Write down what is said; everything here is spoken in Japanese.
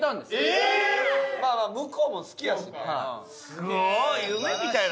すごい！